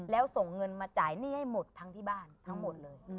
แล้วส่งเงินมาจ่ายหนี้ให้หมดทั้งที่บ้านทั้งหมดเลย